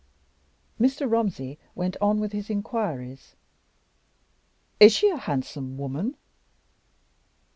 Mr. Romsey went on with his inquiries. "Is she a handsome woman?"